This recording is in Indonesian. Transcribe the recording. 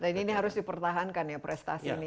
dan ini harus dipertahankan ya prestasi ini